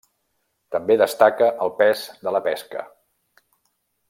També destaca el pes de la pesca.